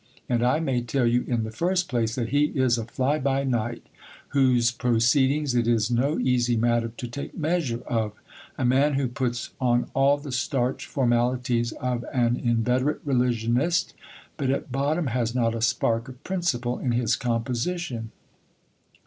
And I may tell you in the first place, that he is a fly by night whose proceedings it is no easy matter to take measure of ; a man who puts on all the starch formalities of an inveterate religionist, but at bottom has not a spark of principle in his composition.